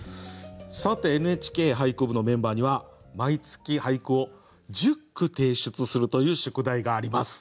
さて「ＮＨＫ俳句部」のメンバーには毎月俳句を１０句提出するという宿題があります。